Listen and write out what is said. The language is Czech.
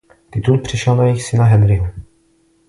Titul přešel na jejich syna Henryho.